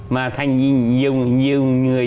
mà thành nhiều người